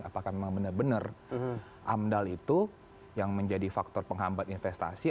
apakah memang benar benar amdal itu yang menjadi faktor penghambat investasi